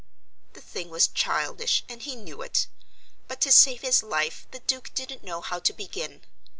The thing was childish, and he knew it. But to save his life the Duke didn't know how to begin.